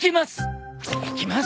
行きます！